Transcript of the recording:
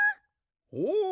おお！